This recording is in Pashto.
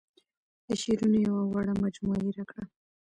د شعرونو یوه وړه مجموعه یې راکړه.